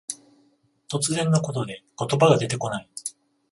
突然のことで言葉が出てこない。